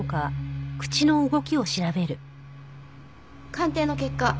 鑑定の結果